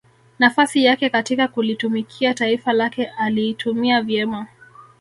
nafasi yake katika kulitumikia taifa lake aliitumia vyema